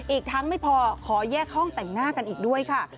อีกทั้งไม่พอขอแยกห้องแต่งหน้ากันอีกด้วยค่ะ